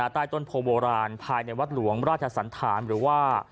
ใต้ต้นโพโบราณภายในวัดหลวงราชสันธารหรือว่า